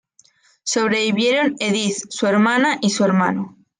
Sobrevivieron Edith, su hermana y un hermano.